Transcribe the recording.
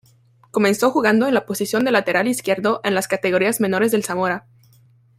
Comenzó jugando en la posición de lateral izquierdo en las categorías menores del Zamora.